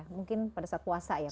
mungkin pada saat puasa ya